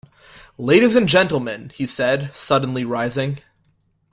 ‘Ladies and gentlemen,’ he said, suddenly rising.